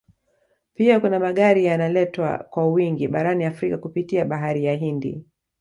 Pia kuna Magari yanaletwa kwa wingi barani Afrika kupitia Bahari ya Hindi